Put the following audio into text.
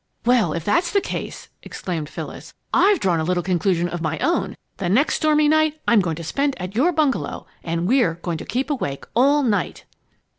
"Well, if that's the case," exclaimed Phyllis, "I've drawn a little conclusion of my own. The next stormy night I'm going to spend at your bungalow and we're going to keep awake all night!"